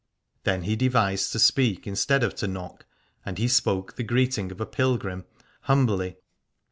Then he devised to speak instead of to knock : and he spoke the greeting of a pilgrim, humbly.